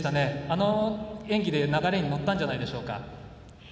あの演技で流れに乗ったんじゃないでしょうか？